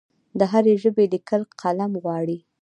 د هرې ژبې لیکل قلم غواړي.